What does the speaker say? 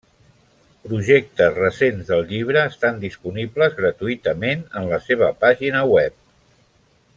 Projectes recents del llibre estan disponibles gratuïtament en la seva pàgina web.